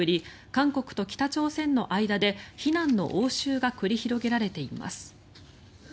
韓国と北朝鮮の間で非難の応酬が繰り広げられています。